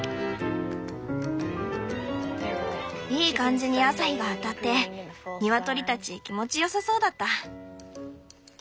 いい感じに朝日が当たってニワトリたち気持ちよさそうだった。